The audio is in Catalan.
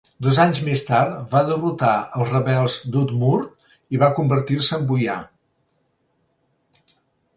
Dos anys més tard, va derrotar els rebels d'Udmurt i va convertir-se en boiar.